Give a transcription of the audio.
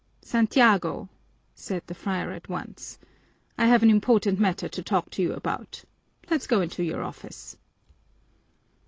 "Santiago," said the friar at once, "I have an important matter to talk to you about. Let's go into your office."